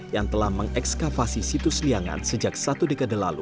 yang telah mengekskavasi situs liangan sejak satu dekade lalu